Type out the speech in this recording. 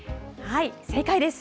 正解です。